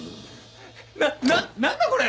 なな何だこれ！